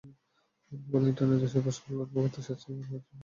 Mobile internet সেবা সহজলভ্য করতে সাশ্রয়ী মূল্যে হ্যান্ডসেট নিয়ে এসেছে রবি।